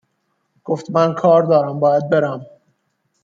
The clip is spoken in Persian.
گفت من کار دارم باید برم